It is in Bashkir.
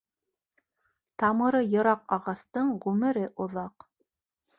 Тамыры йыраҡ ағастың ғүмере оҙаҡ.